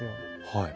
はい。